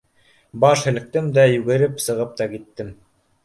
Баш һелктем дә, йүгереп сығып та киттем.